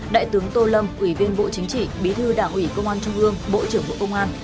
đại tướng tô lâm ủy viên bộ chính trị bí thư đảng ủy công an trung ương bộ trưởng bộ công an